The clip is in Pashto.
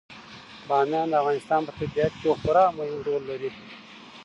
بامیان د افغانستان په طبیعت کې یو خورا مهم رول لري.